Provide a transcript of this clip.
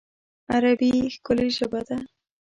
عربي ښکلی ژبه ده